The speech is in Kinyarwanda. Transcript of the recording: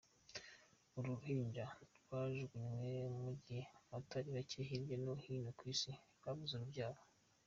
Uru ruhinja rwajugunywe mu gihe abatari bake hirya no hino ku Isi babuze urubyaro.